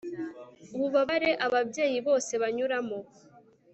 ububabare ababyeyi bose banyuramo